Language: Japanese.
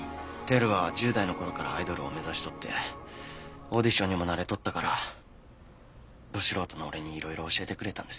輝は１０代の頃からアイドルを目指しとってオーディションにも慣れとったからド素人の俺にいろいろ教えてくれたんです。